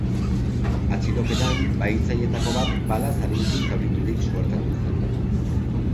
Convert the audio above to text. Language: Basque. Atxiloketan, bahitzaileetako bat balaz arinki zauriturik suertatu zen.